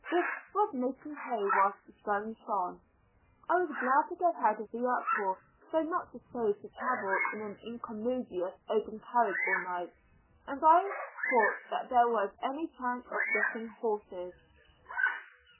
This was making hay whilst the sun shone. I was glad to get out of the uproar, though not disposed to travel in an incommodious open carriage all night, had I thought that there was any chance of getting horses.